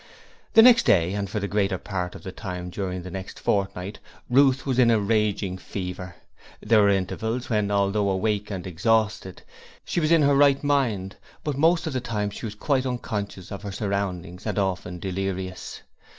The next day, and for the greater part of the time during the next fortnight, Ruth was in a raging fever. There were intervals when although weak and exhausted, she was in her right mind, but most of the time she was quite unconscious of her surroundings and often delirious.